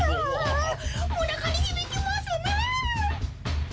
おなかにひびきますね。